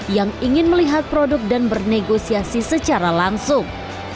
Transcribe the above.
yang ingin melihat produk dan bernegosiasi secara langsung